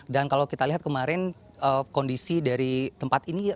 kalau kita lihat kemarin kondisi dari tempat ini